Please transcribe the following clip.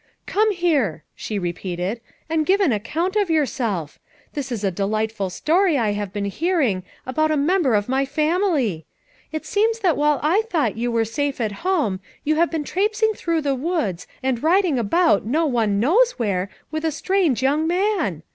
"Come here," she repeated, "and give an account of yourself. This is a delightful story I have been hearing about a member of my family! It seems that while I thought you safe at home, you have been traipsing through the woods, and riding about no one knows where, with a strange young man